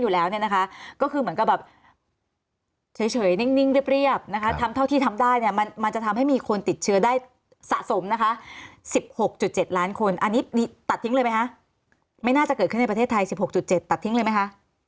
๑๖๗ล้านคนอันนี้ตัดทิ้งเลยมั้ยคะไม่น่าจะเกิดขึ้นในประเทศไทย๑๖๗ตัดทิ้งเลยมั้ยคะ